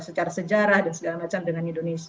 secara sejarah dan segala macam dengan indonesia